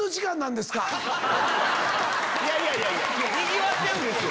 いやいやいやにぎわってるんですよ！